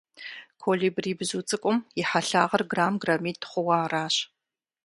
Колибри бзу цIыкIум и хьэлъагъыр грамм-граммитI хъууэ аращ.